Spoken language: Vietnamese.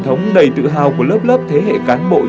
tặng quà chi ăn